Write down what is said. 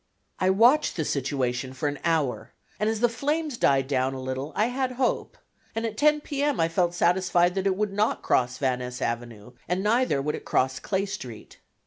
I watched the situation for an hour, and as the flames died down a little I had hope, and at 10 P. M. I felt satisfied that it would not cross Van Ness Avenue, and neither would it cross Clay Street.